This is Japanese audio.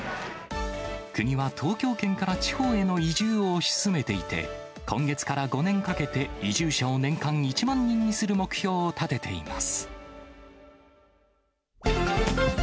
国は東京圏から地方への移住を推し進めていて、今月から５年かけて移住者を年間１万人にする目標を立てています。